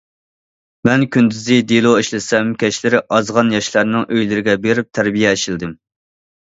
مەن كۈندۈزى دېلو ئىشلىسەم، كەچلىرى ئازغان ياشلارنىڭ ئۆيلىرىگە بېرىپ تەربىيە ئىشلىدىم.